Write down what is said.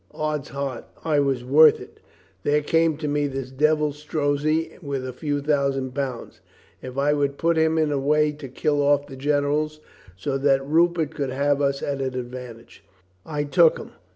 Ods heart, I was worth it. There came to me this devil Strozzi with a few thousand pounds if I would put him in the way to kill off the generals so that Ru pert could have us at advantage. I took him.